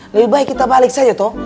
lebih baik kita balik saja toh